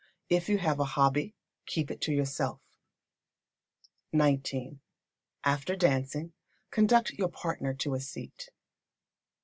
If you have a hobby, keep it to yourself. xix. After dancing, conduct your partner to a seat.